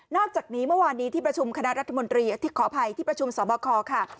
อกจากนี้เมื่อวานนี้ที่ประชุมคณะรัฐมนตรีขออภัยที่ประชุมสอบคอค่ะ